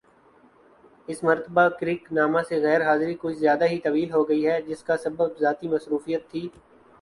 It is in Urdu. اس مرتبہ کرک نامہ سے غیر حاضری کچھ زیادہ ہی طویل ہوگئی ہے جس کا سبب ذاتی مصروفیت تھی